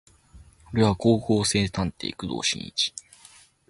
俺は高校生探偵工藤新一